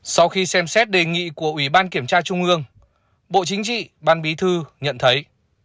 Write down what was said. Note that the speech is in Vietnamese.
sau khi xem xét đề nghị của ủy ban kiểm tra trung ương bộ chính trị ban bí thư nhận thấy